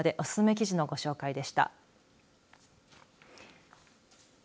ここまでおすすめ記事のご紹介でした。